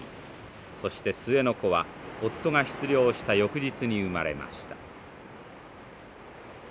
そして末の子は夫が出漁した翌日に生まれました。